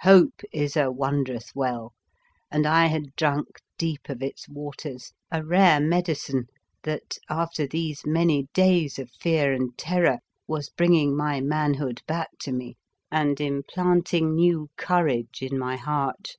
Hope is a wondrous well, and I had drunk deep of its waters, a rare medi cine, that, after these many days of fear and terror, was bringing my man hood back to me and implanting new courage in my heart.